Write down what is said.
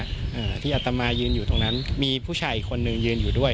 อ่าที่อัตมายืนอยู่ตรงนั้นมีผู้ชายอีกคนนึงยืนอยู่ด้วย